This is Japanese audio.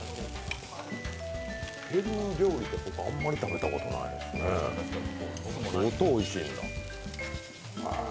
ペルー料理ってあんまり食べたことないですね、相当おいしいんだ。